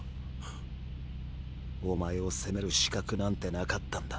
お前を責める資格なんて無かったんだ。